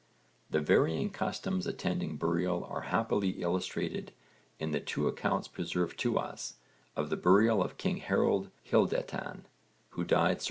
The varying customs attending burial are happily illustrated in the two accounts preserved to us of the burial of king Harold Hyldetan, who died c.